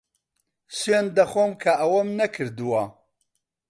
سوێند دەخۆم کە ئەوەم نەکردووە.